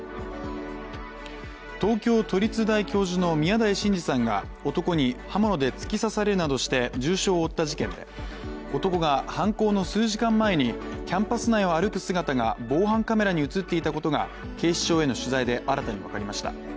東京都立大教授の宮台真司さんが男に刃物で突き刺されるなどして重傷を負った事件で、男が犯行の数時間前にキャンパス内を歩く姿が防犯カメラに映っていたことが警視庁への取材で新たに分かりました。